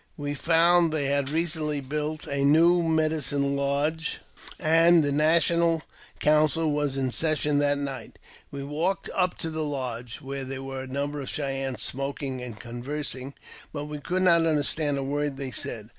We found they had recently built a new medicine lodge, and the national council was in session that night. We walked up to the lodge, and there were a number of Cheyennes smoking and conversing, but we could not understand a word they said.